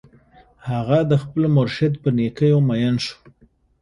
هغه د خپل مرشد په نېکیو مین شو